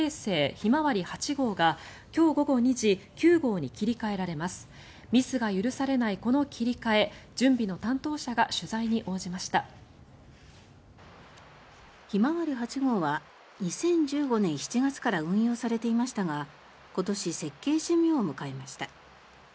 ひまわり８号は２０１５年７月から運用されていましたが今年、設計寿命を迎えました。